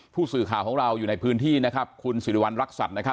ผู้สื่อข่าวของเราอยู่ในพื้นที่นะครับคุณสิริวัณรักษัตริย์นะครับ